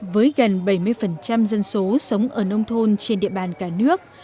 với gần bảy mươi dân số sống ở nông thôn trên địa bàn cả nước